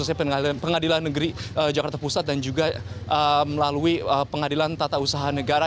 pengadilan tinggi maksud saya pengadilan negeri jakarta pusat dan juga melalui pengadilan tata usaha negara